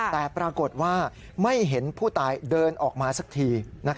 แต่ปรากฏว่าไม่เห็นผู้ตายเดินออกมาสักที